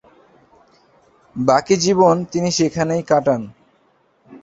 বাকি জীবন তিনি সেখানেই কাটান।